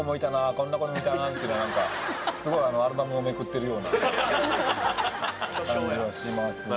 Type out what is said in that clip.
こんな子もいたなあみたいになんかすごいアルバムをめくってるような感じはしますね。